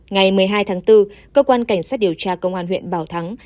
ngày một mươi hai tháng bốn cơ quan cảnh sát điều tra công an huyện bảo thắng